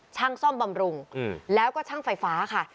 ช่างซ่อมบำรุงแล้วก็ช่างไฟฟ้าค่ะ